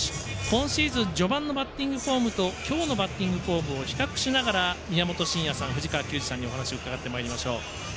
今シーズン序盤のバッティングフォームと今日のバッティングフォームを比較しながら宮本慎也さん、藤川球児さんにお話を伺ってまいりましょう。